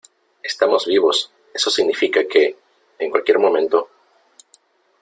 estamos vivos . eso significa que , en cualquier momento ,